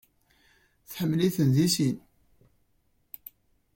Tḥemmel-iten deg sin.